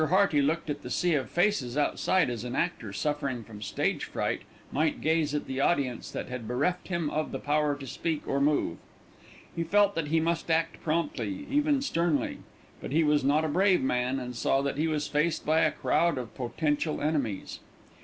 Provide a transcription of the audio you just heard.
Hearty looked at the sea of faces outside as an actor suffering from stage fright might gaze at the audience that had bereft him of the power to speak or move. He felt that he must act promptly, even sternly; but he was not a brave man and saw that he was faced by a crowd of potential enemies.